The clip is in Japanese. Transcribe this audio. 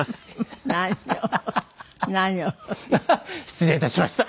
失礼致しました。